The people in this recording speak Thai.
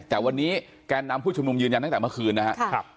แต่วันนี้แกนนำผู้ชุมนุมยืนยันตั้งแต่เมื่อคืนนะครับ